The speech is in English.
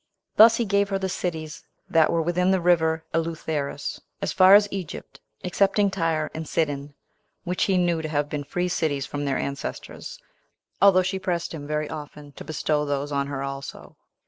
Thus he gave her the cities that were within the river Eleutherus, as far as Egypt, excepting Tyre and Sidon, which he knew to have been free cities from their ancestors, although she pressed him very often to bestow those on her also.